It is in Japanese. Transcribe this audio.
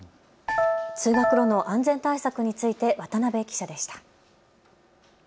通学路の安全対策について渡辺記者でした。